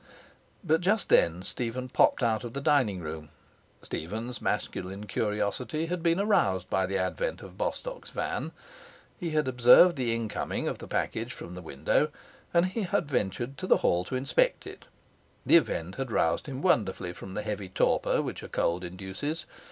But just then Stephen popped out of the dining room. Stephen's masculine curiosity had been aroused by the advent of Bostock's van. He had observed the incoming of the package from the window, and he had ventured to the hall to inspect it. The event had roused him wonderfully from the heavy torpor which a cold induces.